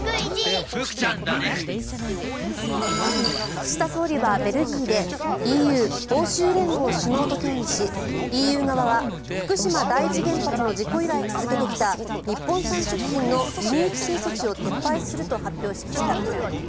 岸田総理はベルギーでＥＵ・欧州連合首脳と協議しＥＵ側は福島第一原発の事故以来続けてきた日本産食品の輸入規制措置を撤廃すると発表しました。